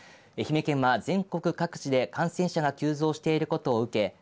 愛媛県は全国各地で感染者が急増していることを受け